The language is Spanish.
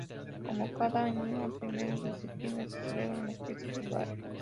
Como cada año a primeros de septiembre se celebran las fiestas del barrio.